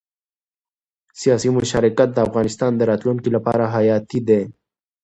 سیاسي مشارکت د افغانستان د راتلونکي لپاره حیاتي دی